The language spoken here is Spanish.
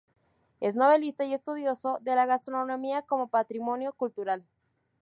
Es novelista y estudioso de la gastronomía como patrimonio cultural.